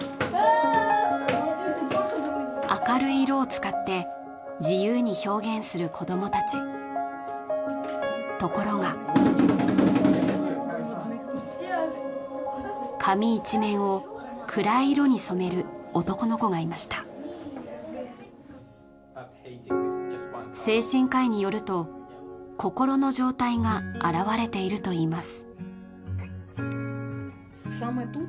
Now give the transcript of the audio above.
明るい色を使って自由に表現する子どもたちところが紙一面を暗い色に染める男の子がいました精神科医によると心の状態が表れているといいます